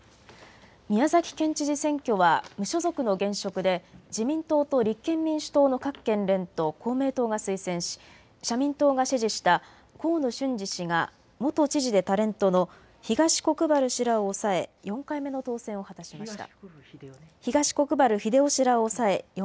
宮崎県知事選挙は無所属の現職で自民党と立憲民主党の各県連と公明党が推薦し社民党が支持した河野俊嗣氏が元知事でタレントの東国原氏らを抑え４回目の当選を果たしました。